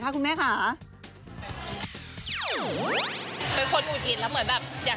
มีคนขาดมาตายมาก